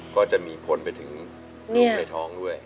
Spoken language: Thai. ก็จะมีผลไปถึงลูกในท้องด้วย